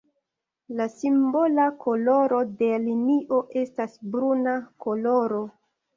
La simbola koloro de linio estas bruna koloro.